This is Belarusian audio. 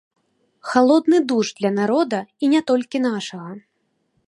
Халодны душ для народа і не толькі нашага.